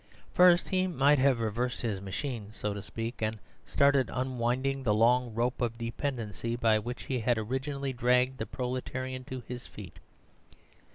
First, he might have reversed his machine, so to speak, and started unwinding the long rope of dependence by which he had originally dragged the proletarian to his feet.